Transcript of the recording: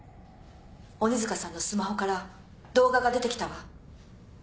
鬼塚さんのスマホから動画が出てきたわ。